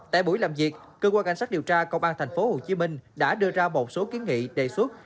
tại buổi làm việc cơ quan cảnh sát điều tra công an tp hcm đã đưa ra một số kiến nghị đề xuất